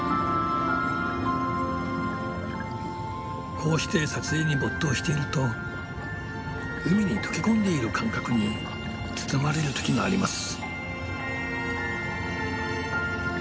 こうして撮影に没頭していると海に溶け込んでいる感覚に包まれる時があります。